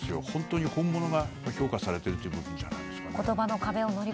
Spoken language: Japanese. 本当に、本物が評価されているということじゃないですかね。